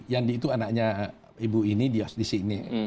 yandi itu anaknya ibu ini di sini